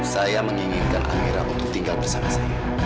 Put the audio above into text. saya menginginkan amira untuk tinggal bersama saya